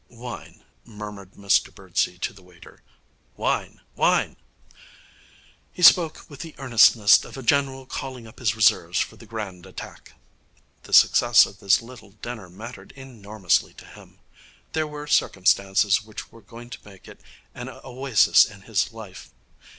'Wine,' murmured Mr Birdsey to the waiter. 'Wine, wine!' He spoke with the earnestness of a general calling up his reserves for the grand attack. The success of this little dinner mattered enormously to him. There were circumstances which were going to make it an oasis in his life.